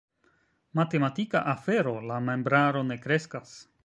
Matematika afero: la membraro ne kreskas.